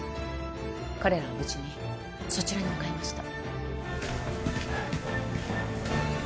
彼らは無事にそちらに向かいました